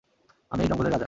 আমি এই জঙ্গলের রাজা!